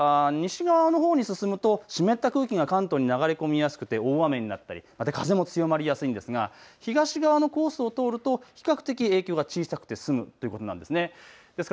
ですから西側のほうに進むと湿った空気が関東に流れ込みやすくて大雨になったり風も強まりやすいですが、東側のコースを通ると比較的、影響が小さくて済むということなんです。